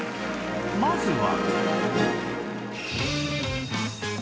まずは